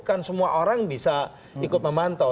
kan semua orang bisa ikut memantau